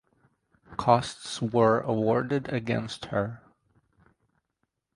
Costs were awarded against her.